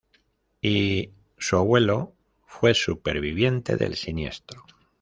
Y, su abuelo fue superviviente del siniestro.